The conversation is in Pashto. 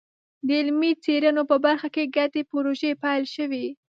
د علمي څېړنو په برخه کې ګډې پروژې پیل شوي.